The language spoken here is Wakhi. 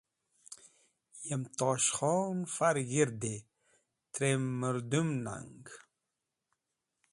Yem Tosh Khon far g̃hirde atrem mũrdũm nag.